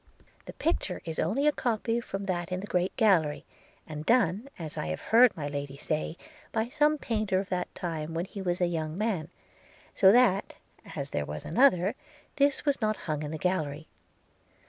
The picture is only a copy from that in the great gallery, and done, as I have heard my Lady say, by some painter of that time when he was a young man – so that, as there was another, this was not hung in the gallery.